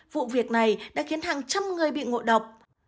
vụ việc này đã khiến hàng trăm người bị ngộ độc